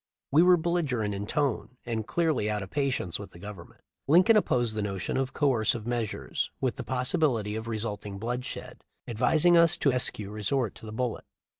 We were belligerent in tone, and clearly out of patience with the Government. Lincoln opposed the notion of coercive measures with the possibility of resulting bloodshed, advising us to eschew resort to the bullet.